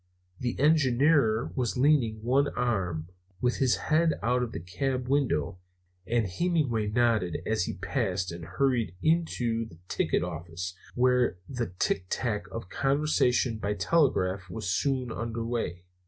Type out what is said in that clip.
The engineer was leaning on one arm, with his head out of the cab window, and Hemenway nodded as he passed and hurried into the ticket office, where the ticktack of a conversation by telegraph was soon under way.